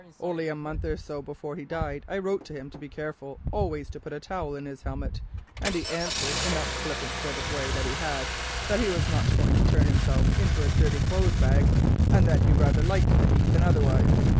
Only a month or so before he died, I wrote to him to be careful always to put a towel in his helmet, and he answered, in that flippant sort of way he had, that he was not going to turn himself into a dirty clothes bag, and that he rather liked the heat than otherwise.